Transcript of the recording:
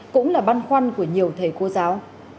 cũng là băn khoăn của nhiều thầy cô giáo